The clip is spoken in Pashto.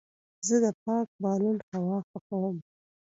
زه د پاک بالون هوا خوښوم.